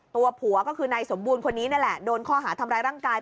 ตัวผัวก็คือนายสมบูรณ์คนนี้นั่นแหละโดนข้อหาทำร้ายร่างกาย